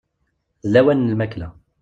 D lawan n lmakla.